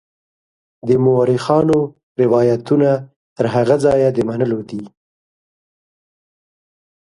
د مورخانو روایتونه تر هغه ځایه د منلو دي.